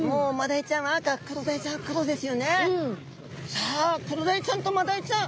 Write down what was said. さあクロダイちゃんとマダイちゃん